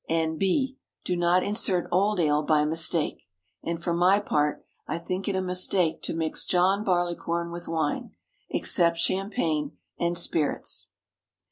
N.B. Do not insert old ale, by mistake. And for my own part, I think it a mistake to mix John Barleycorn with wine (except champagne) and spirits.